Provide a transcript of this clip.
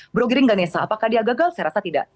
bro giring ganesa apakah dia gagal saya rasa tidak